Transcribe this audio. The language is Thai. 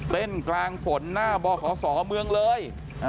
เป็นกลางฝนหน้าบ่อขอสอเมืองเลย